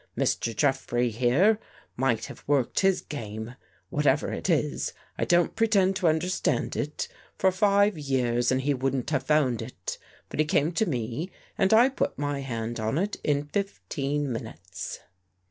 Mr. Jeff rey here might have worked his game, whatever it is — I don't pretend to understand it — for five years and he wouldn't have found it. But he came to me and I put my hand on it in fifteen minutes."